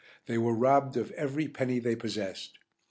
They were robbed of every penny they possessed.